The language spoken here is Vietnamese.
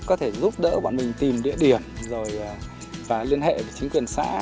có thể giúp đỡ bọn mình tìm địa điểm rồi và liên hệ với chính quyền xã